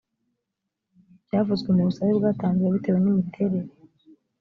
byavuzwe mu busabe bwatanzwe bitewe n miterere